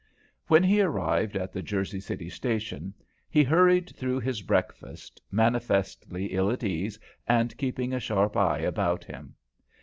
When he arrived at the Jersey City station, he hurried through his breakfast, manifestly ill at ease and keeping a sharp eye about him.